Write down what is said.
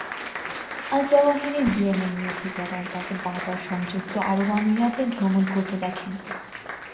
আল-জাওয়াহিরির ইয়েমেনীয় ঠিকাদার তাকে বারবার সংযুক্ত আরব আমিরাতে ভ্রমণ করতে দেখেন।